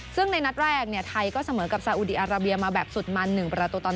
ซึ่งในนัดแรกไทยก็เสมอกับซาอุดีอาราเบียมาแบบสุดมัน๑ประตูต่อ๑